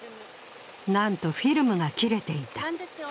なんと、フィルムが切れていた。